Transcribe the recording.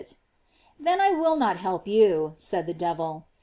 319 Then I will not help you, said the devil.